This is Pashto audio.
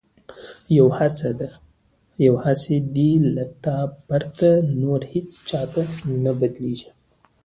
یو حس دی له تا پرته، نور هیڅ چاته نه بدلیږي